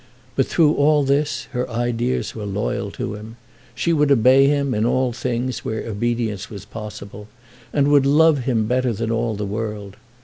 But through all this, her ideas were loyal to him. She would obey him in all things where obedience was possible, and would love him better than all the world.